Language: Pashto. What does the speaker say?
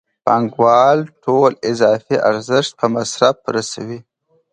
پانګوال ټول اضافي ارزښت په مصرف رسوي